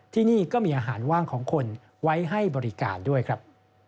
ที่นี่ก็มีอาหารว่างของคนไว้ให้บริการด้วยครับ